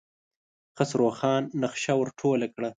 خسرو خان نخشه ور ټوله کړه.